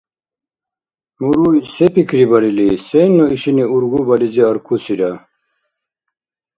Муруй се пикрибарили? Сен ну ишини ургубализи аркусира?